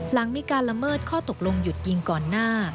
หลังมีการละเมิดข้อตกลงหยุดยิงก่อนหน้า